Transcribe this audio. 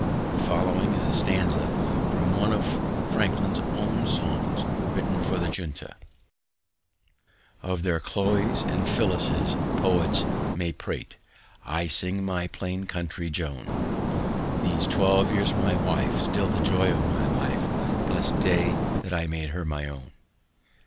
The following is a stanza from one of Franklin's own songs written for the Junto: "Of their Chloes and Phyllises poets may prate, I sing my plain country Joan, These twelve years my wife, still the joy of my life, Blest day that I made her my own."